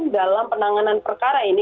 dalam penanganan perkara ini